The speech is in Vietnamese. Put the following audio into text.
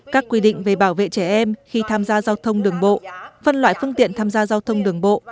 các quy định về bảo vệ trẻ em khi tham gia giao thông đường bộ phân loại phương tiện tham gia giao thông đường bộ